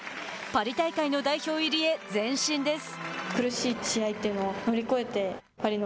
バリ大会の代表入りへ前進です。